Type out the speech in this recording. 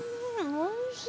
おいしい。